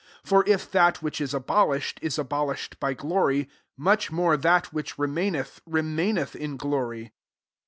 1 1 For if that which is ibolished, /« abolished by glory, nuch more that which remain rth, rematnet/i in glory.